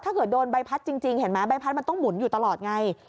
ถ้าเกิดโดนใบพัดจริงเห็นไหมใบพัดมันต้องหมุนอยู่ตลอดไง